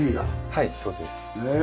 はいそうです。ねえ。